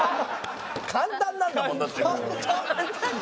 簡単なんだもんだって。